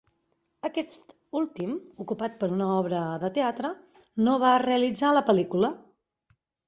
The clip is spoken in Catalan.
Aquest últim, ocupat per una obra de teatre, no va realitzar la pel·lícula.